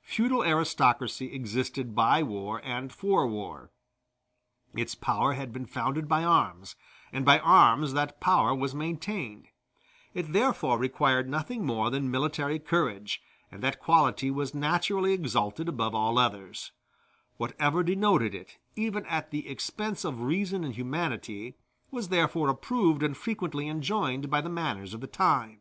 Feudal aristocracy existed by war and for war; its power had been founded by arms, and by arms that power was maintained; it therefore required nothing more than military courage, and that quality was naturally exalted above all others; whatever denoted it, even at the expense of reason and humanity, was therefore approved and frequently enjoined by the manners of the time.